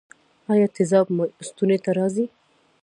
ایا تیزاب مو ستوني ته راځي؟